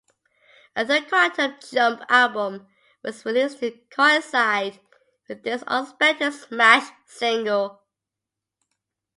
A third Quantum Jump album was released to coincide with this unexpected "smash" single.